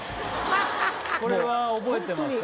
これは覚えてますか？